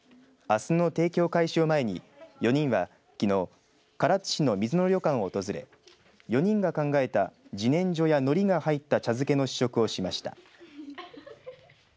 あすの提供開始を前に４人は、きのう唐津市の水野旅館を訪れ４人が考えたじねんじょや、のりが入った茶漬けの試食をしました。